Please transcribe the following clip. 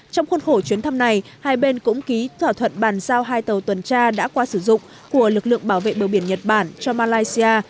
trong khuôn khổ chuyến thăm này hai bên cũng ký thỏa thuận bàn giao hai tàu tuần tra đã qua sử dụng của lực lượng bảo vệ bờ biển nhật bản cho malaysia